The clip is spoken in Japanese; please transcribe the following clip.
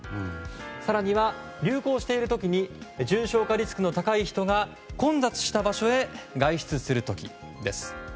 更には、流行している時に重症化リスクの高い人が混雑した場所へ外出する時です。